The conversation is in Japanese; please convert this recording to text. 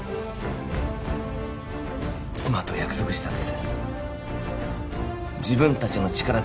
妻と約束したんです